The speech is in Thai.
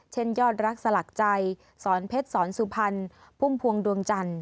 ยอดรักสลักใจสอนเพชรสอนสุพรรณพุ่มพวงดวงจันทร์